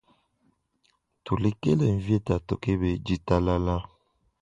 Tulekela mvita tukeba ditalala.